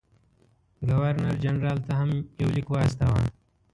ګورنر جنرال ته هم یو لیک واستاوه.